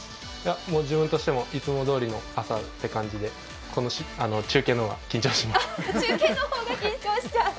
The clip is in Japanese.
自分としてもいつもどおりの朝という感じでこの中継の方が緊張します。